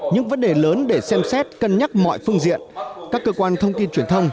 những vấn đề lớn để xem xét cân nhắc mọi phương diện các cơ quan thông tin truyền thông